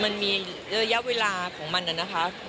มันมีระยะเวลาของมันนะคะ